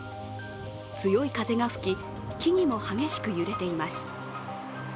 強い風が吹き、木々も激しく揺れています。